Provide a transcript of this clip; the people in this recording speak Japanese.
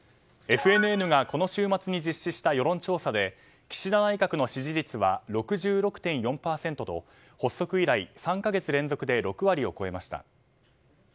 ＦＮＮがこの週末に実施した世論調査で岸田内閣の支持率は６６．４％と発足以来３か月連続で６割を超えました。